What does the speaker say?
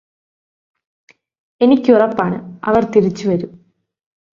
എനിക്കുറപ്പാണ് അവര് തിരിച്ചു വരും